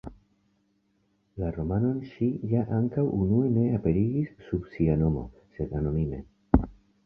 La romanon ŝi ja ankaŭ unue ne aperigis sub sia nomo, sed anonime.